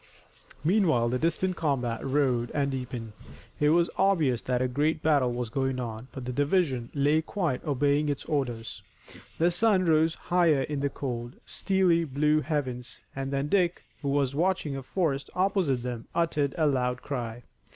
Meanwhile the distant combat roared and deepened. It was obvious that a great battle was going on, but the division lay quiet obeying its orders. The sun rose higher in the cold, steely blue heavens and then Dick, who was watching a forest opposite them, uttered a loud cry.